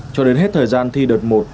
cho đến hết thời gian thi đợt một